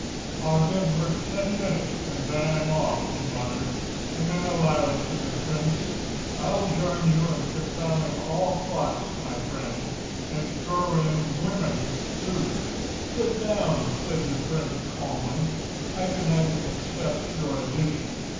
"I'll give her the ten minutes and then I'm off," he muttered, and then aloud to the Prince: "I'll join you in confounding all clocks, my friend, and throw in women, too." "Sit down," said the Prince calmly. "I do not accept your addition.